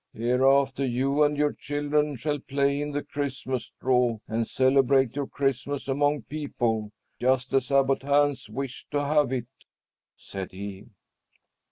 "Hereafter you and your children shall play in the Christmas straw and celebrate your Christmas among people, just as Abbot Hans wished to have it," said he.